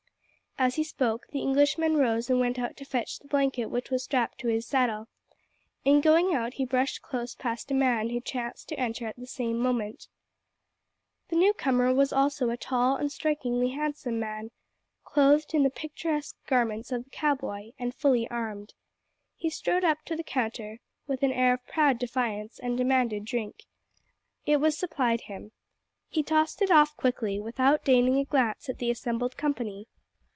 As he spoke the Englishman rose and went out to fetch the blanket which was strapped to his saddle. In going out he brushed close past a man who chanced to enter at the same moment. The newcomer was also a tall and strikingly handsome man, clothed in the picturesque garments of the cow boy, and fully armed. He strode up to the counter, with an air of proud defiance, and demanded drink. It was supplied him. He tossed it off quickly, without deigning a glance at the assembled company.